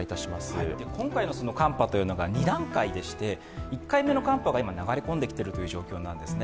今回の寒波が２段階でして、１回目の寒波が今流れ込んできている状況なんですね。